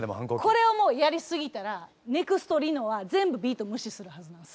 これをもうやりすぎたらネクスト梨乃は全部ビート無視するはずなんです。